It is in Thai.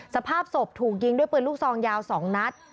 สภาพศพถูกยิงด้วยปืนลูกซองยาว๒นัด